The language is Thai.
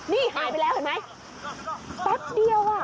นี่หายไปแล้วเห็นไหมแป๊บเดียวอ่ะ